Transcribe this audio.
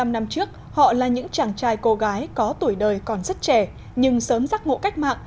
bảy mươi năm năm trước họ là những chàng trai cô gái có tuổi đời còn rất trẻ nhưng sớm giác ngộ cách mạng